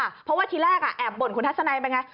เพราะว่าทีแรกแอบบ่นคุณทัศนัยไปไง